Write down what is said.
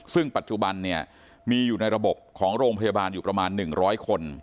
ซึ่งปัจจุบันเนี่ยมีอยู่ในระบบของโรงพยาบาลอยู่ประมาณ๑๐๐คน